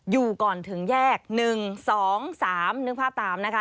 อยู่ก่อนถึงแยก๑๒๓นึกภาพตามนะคะ